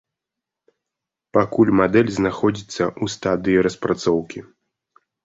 Пакуль мадэль знаходзіцца ў стадыі распрацоўкі.